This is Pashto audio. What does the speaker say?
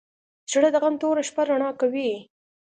زړه د غم توره شپه رڼا کوي.